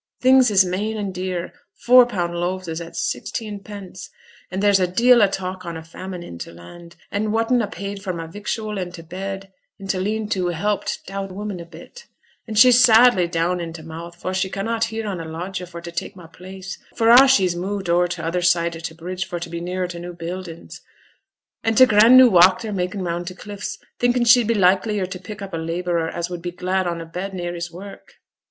Things is main an' dear; four pound loaves is at sixteenpence; an' there's a deal o' talk on a famine i' t' land; an' whaten a paid for my victual an' t' bed i' t' lean to helped t' oud woman a bit, an' she's sadly down i' t' mouth, for she cannot hear on a lodger for t' tak' my place, for a' she's moved o'er to t' other side o' t' bridge for t' be nearer t' new buildings, an' t' grand new walk they're makin' round t' cliffs, thinkin' she'd be likelier t' pick up a labourer as would be glad on a bed near his work.